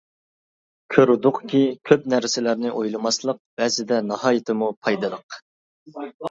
كۆردۇقكى «كۆپ نەرسىلەرنى ئويلىماسلىق» بەزىدە ناھايىتىمۇ پايدىلىق.